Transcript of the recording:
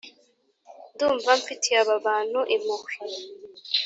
ndumva mfitiye aba bantu impuhwe